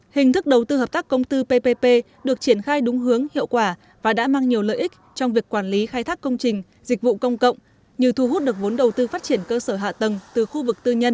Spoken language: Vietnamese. hình thức đầu tư hợp tác công tư ppp được triển khai đúng hướng hiệu quả và đã mang nhiều lợi ích trong việc quản lý khai thác công trình dịch vụ công cộng như thu hút được vốn đầu tư phát triển cơ sở hạ tầng từ khu vực tư nhân